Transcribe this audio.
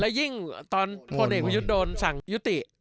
และยิ่งตอนคนเด็กไปยุทธ์โดนสั่งยุติ